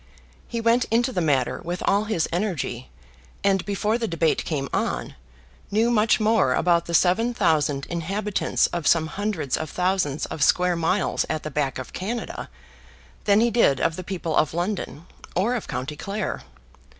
He went into the matter with all his energy, and before the debate came on, knew much more about the seven thousand inhabitants of some hundreds of thousands of square miles at the back of Canada, than he did of the people of London or of County Clare.